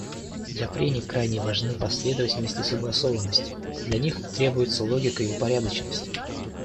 Для прений крайне важны последовательность и согласованность; для них требуются логика и упорядоченность.